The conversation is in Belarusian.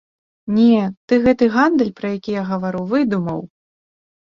Не ты гэты гандаль, пра які я гавару, выдумаў.